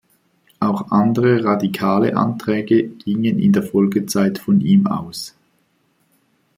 Auch andere radikale Anträge gingen in der Folgezeit von ihm aus.